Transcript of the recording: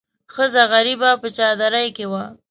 ښځه غریبه په چادرۍ کې وه.